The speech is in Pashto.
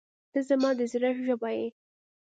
• ته زما د زړه ژبه یې.